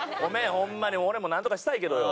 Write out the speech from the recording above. ホンマに俺もなんとかしたいけどよ。